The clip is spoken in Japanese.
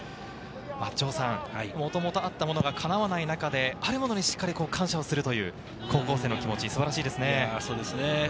城さん、もともとあったものがかなわない中で、あるものに感謝をするという高校生の気持ち、素晴らしいですね。